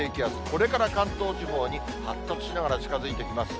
これから関東地方に発達しながら近づいてきます。